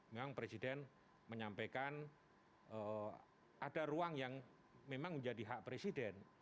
memang presiden menyampaikan ada ruang yang memang menjadi hak presiden